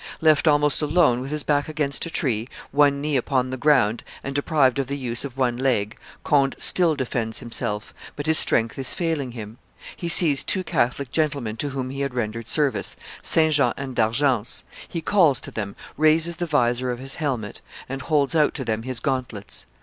Left almost alone, with his back against a tree, one knee upon the ground, and deprived of the use of one leg, Conde still defends himself; but his strength is failing him; he sees two Catholic gentlemen to whom he had rendered service, Saint Jean and D'Argence; he calls to them, raises the vizor of his helmet, and holds out to them his gauntlets.